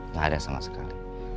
gak ada sama sekali